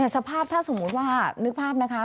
สภาพถ้าสมมุติว่านึกภาพนะคะ